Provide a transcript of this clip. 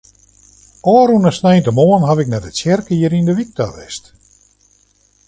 Ofrûne sneintemoarn haw ik nei de tsjerke hjir yn de wyk ta west.